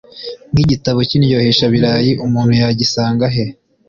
nk’igitabo cy’indyoheshabirayi umuntu yagisanga he